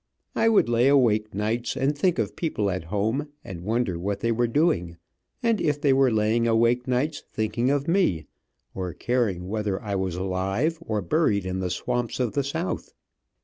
I would lay awake nights and think of people at home and wonder what they were doing, and if they were laying awake nights thinking of me, or caring whether I was alive, or buried in the swamps of the South.